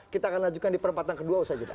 kita akan lanjutkan di perempatan kedua usai jeda